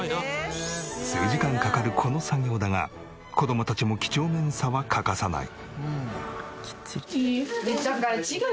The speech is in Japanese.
数時間かかるこの作業だが子供たちも几帳面さは欠かさない。